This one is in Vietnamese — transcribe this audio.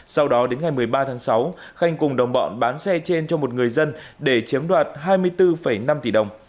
sau đó đến ngày một mươi ba tháng sáu khanh cùng đồng bọn bán xe trên cho một người dân để chiếm đoạt hai mươi bốn năm tỷ đồng